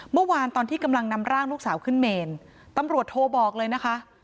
เมื่อวานตอนที่กำลังนำร่างลูกสาวขึ้นเมนตำรวจโทรบอกเลยนะคะ